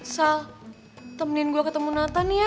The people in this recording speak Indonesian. sal temenin gue ke temun nathan ya